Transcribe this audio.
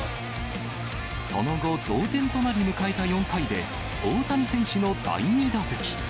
その後、同点となり、迎えた４回で、大谷選手の第２打席。